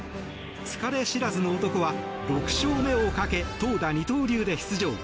疲れ知らずの男は６勝目をかけ投打二刀流で出場。